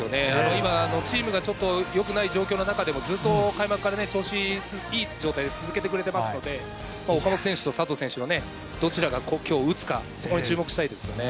今、チームがちょっとよくない状況の中でも、ずっと開幕から調子いい状態で続けてくれてますので、岡本選手と佐藤選手は、どちらがきょう打つか、そこに注目したいですよね。